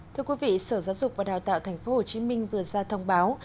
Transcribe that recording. thưa quý vị sở giáo dục và đào tạo tp hcm vừa ra thông báo